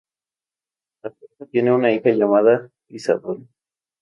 La pareja tiene una hija llamada Isadora.